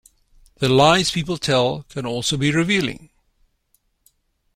The lies people tell can also be revealing.